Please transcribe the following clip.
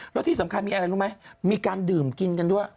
แล้วที่สำคัญมีอะไรรู้ไหมมีการดื่มกินกันด้วย